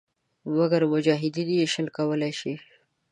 مګر مجاهدین یې شل کولای شي.